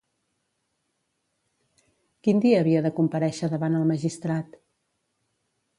Quin dia havia de comparèixer davant el magistrat?